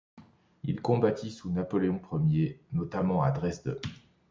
Il combattit sous Napoléon I, notamment à Dresde.